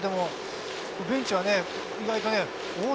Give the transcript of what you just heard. ベンチは意外と、おっ！